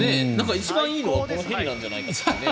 一番いいのがこのヘリじゃないかというね。